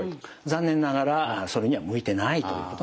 残念ながらそれには向いてないということになります。